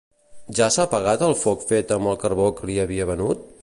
Ja s'ha apagat el foc fet amb el carbó que li havia venut?